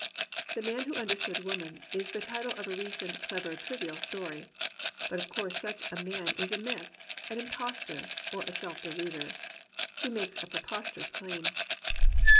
The Man Who Understood Woman is the title of a recent clever trivial story. But of course such a man is a myth, an impostor, or a self deluder. He makes a preposterous claim.